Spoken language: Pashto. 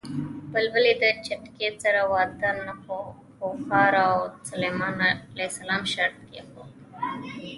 بلبلې د چتکي سره واده نه خوښاوه او سلیمان ع شرط کېښود